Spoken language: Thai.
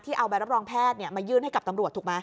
เอาใบรับรองแพทย์มายื่นให้กับตำรวจถูกไหม